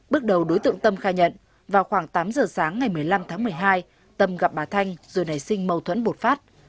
bước đầu đối tượng tâm khai nhận vào khoảng tám giờ sáng ngày một mươi năm tháng một mươi hai tâm gặp bà thanh rồi nảy sinh mâu thuẫn bột phát